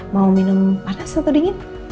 mau minum panas atau dingin